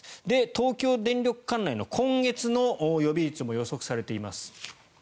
東京電力管内の今月の予備率も予測されています。